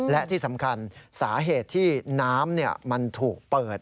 และที่สำคัญสาเหตุที่น้ำมันถูกเปิด